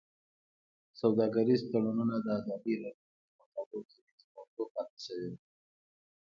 سوداګریز تړونونه د ازادي راډیو د مقالو کلیدي موضوع پاتې شوی.